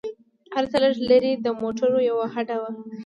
هلته لږ لرې د موټرو یوه هډه وه.